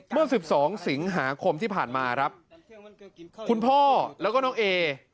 เมื่อ๑๒สิงหาคมที่ผ่านมาครับคุณพ่อแล้วก็น้องเอ